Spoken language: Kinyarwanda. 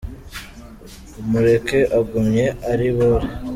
Umureke agumye aribore